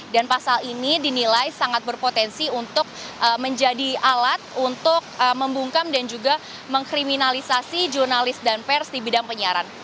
dan pasal ini dinilai sangat berpotensi untuk menjadi alat untuk membungkam dan juga mengkriminalisasi jurnalis dan pers di bidang penyiaran